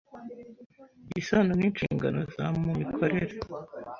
isano n inshingano za mu mikorere